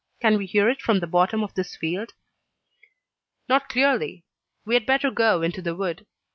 Can we hear it from the bottom of this field?" "Not clearly; we had better go into the wood."